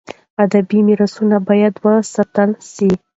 . ادبي میراثونه باید وساتل سي.